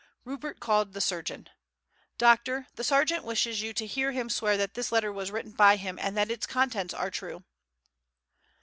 Rupert called the surgeon. "Doctor, the sergeant wishes you to hear him swear that this letter was written by him and that its contents are true."